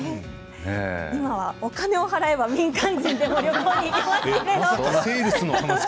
今は、お金を払えば民間人でも旅行に行けますからね。